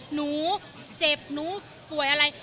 หนูเจ็บหนูป่วยอะไร